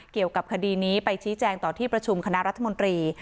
เกี่ยวกับคดีนี้ไปชี้แจงต่อที่ประชุมคณะรัฐมนตรี